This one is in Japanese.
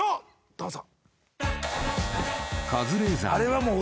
どうぞ。